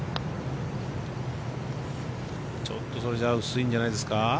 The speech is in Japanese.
ちょっとそれじゃ薄いんじゃないですか。